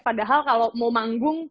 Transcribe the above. padahal kalau mau manggung